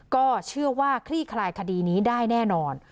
ก็เชื่อว่าคลี่คลายคดีนี้ได้แน่นอน